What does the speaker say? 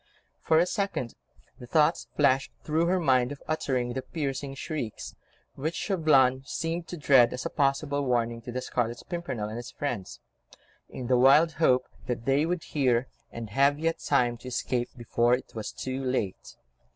For a second, the thought flashed through her mind of uttering the piercing shrieks, which Chauvelin seemed to dread, as a possible warning to the Scarlet Pimpernel and his friends—in the wild hope that they would hear, and have yet time to escape before it was too late.